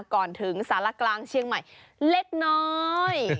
ก่อนถึงสารกลางเชียงใหม่เล็กน้อย